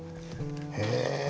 へえ。